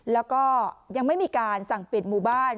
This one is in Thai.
แล้วก็ยังไม่มีการสั่งปิดหมู่บ้าน